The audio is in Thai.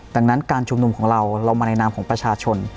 ดังนั้นการชุมนุมของเราเรามาในนามของประชาชน